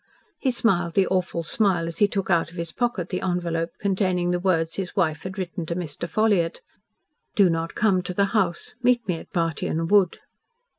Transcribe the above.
He smiled the awful smile as he took out of his pocket the envelope containing the words his wife had written to Mr. Ffolliott, "Do not come to the house. Meet me at Bartyon Wood."